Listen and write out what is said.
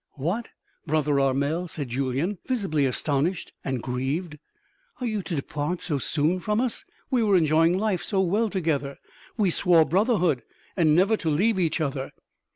"What, brother Armel!" said Julyan, visibly astonished and grieved. "Are you to depart so soon from us? We were enjoying life so well together.... We swore brotherhood and never to leave each other!"